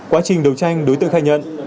quá trình đấu tranh đối tượng khai nhận